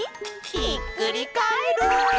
ひっくりカエル！」